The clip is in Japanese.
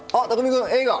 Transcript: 君映画！